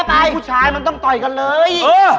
ตายผู้ชายมันต้องต่อยกันเลย